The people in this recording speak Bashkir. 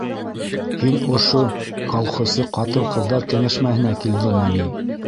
Һин ошо колхозсы ҡатын-ҡыҙҙар кәңәшмәһенә килдеңме ни?